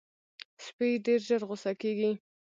سپي ډېر ژر غصه کېږي.